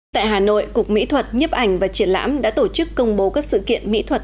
tại hà nội cục mỹ thuật nhếp ảnh và triển lãm đã tổ chức công bố các sự kiện mỹ thuật